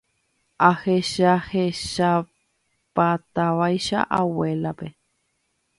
ahechahechapátavaicha abuélape